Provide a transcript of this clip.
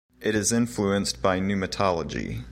It is influenced by pneumatology.